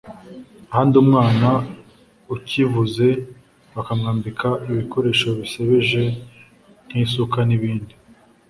ahandi umwana ukivuze bakamwambika ibikoresho bisebeje nk’isuka n’ibindi